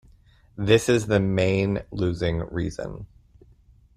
This is the main losing reason.